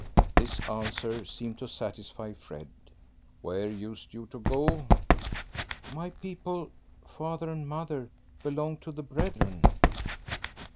This answer seemed to satisfy Fred. "Where used you to go?" "My people father and mother belonged to the Brethren."